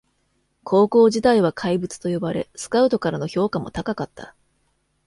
高校時代は怪物と呼ばれスカウトからの評価も高かった